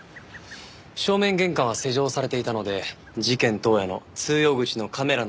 正面玄関は施錠されていたので事件当夜の通用口のカメラの映像を確認すれば。